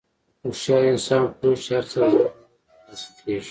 هوښیار انسان پوهېږي چې هر څه زر نه تر لاسه کېږي.